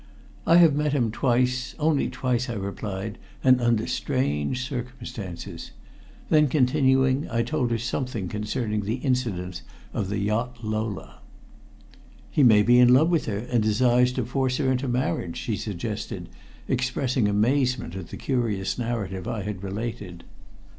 "I have met him twice only twice," I replied, "and under strange circumstances." Then, continuing, I told her something concerning the incidents of the yacht Lola. "He may be in love with her, and desires to force her into marriage," she suggested, expressing amazement at the curious narrative I had related.